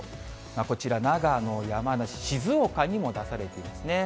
こちら長野、山梨、静岡にも出されていますね。